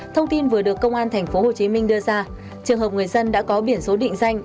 thông tin vừa được công an tp hcm đưa ra trường hợp người dân đã có biển số định danh